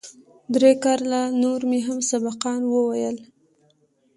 درې کاله نور مې هم سبقان وويل.